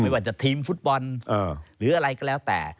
ว่าจะทีมฟุตบอลหรืออะไรก็แล้วแต่